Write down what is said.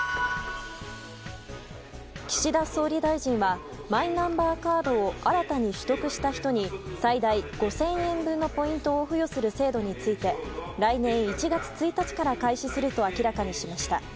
岸田総理大臣はマイナンバーカードを新たに取得した人に最大５０００円分のポイントをポイントを付与する制度について来年１月１日から開始すると明らかにしました。